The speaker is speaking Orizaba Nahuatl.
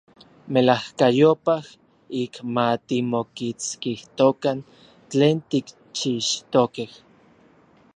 Melajkayopaj ik ma timokitskijtokan tlen tikchixtokej.